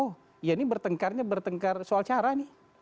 oh ya ini bertengkarnya bertengkar soal cara nih